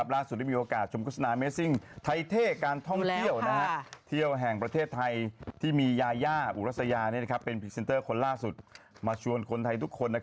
แล้วคนล่าสุดมาชวนคนไทยทุกคน